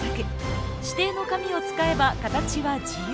指定の紙を使えば形は自由。